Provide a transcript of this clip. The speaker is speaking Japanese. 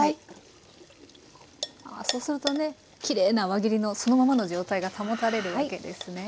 そうするとねきれいな輪切りのそのままの状態が保たれるわけですね。